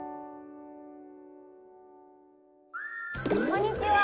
こんにちは！